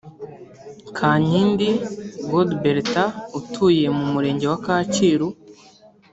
Kankindi Godbertha utuye mu Murenge wa Kacyiru